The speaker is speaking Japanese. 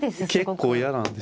結構嫌なんですよね。